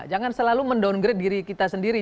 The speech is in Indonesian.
jangan selalu mendowngrade diri kita sendiri